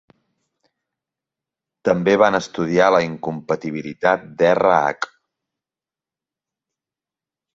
També van estudiar la incompatibilitat d'Rh.